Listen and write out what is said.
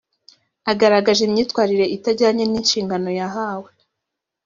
agaragaje imyitwarire itajyanye n’ inshingano yahawe